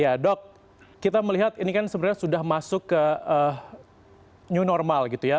ya dok kita melihat ini kan sebenarnya sudah masuk ke new normal gitu ya